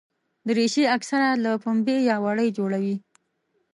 دریشي اکثره له پنبې یا وړۍ جوړه وي.